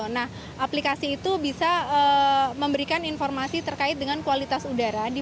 nah aplikasi itu bisa memberikan informasi terkait dengan kualitas udara